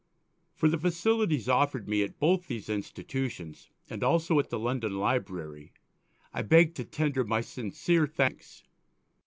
For the facilities offered me at both these institutions, and also at the London Library, I beg to tender my sincere thanks.